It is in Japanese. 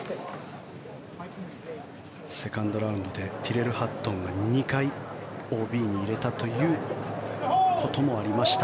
セカンドラウンドでティレル・ハットンが２回、ＯＢに入れたということもありました。